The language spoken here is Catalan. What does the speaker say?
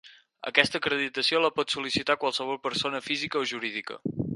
Aquesta acreditació la pot sol·licitar qualsevol persona física o jurídica.